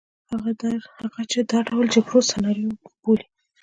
هغه چې دا ډول جګړې سناریو بولي.